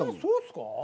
そうっすか。